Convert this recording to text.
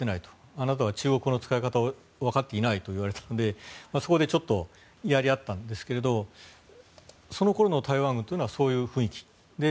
あなたは中国語の使い方をわかっていないといわれたのでそこでちょっとやり合ったんですけれどその頃の台湾軍というのはそういう雰囲気。